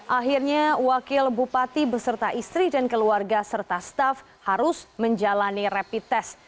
akhirnya wakil bupati beserta istri dan keluarga serta staff harus menjalani rapid test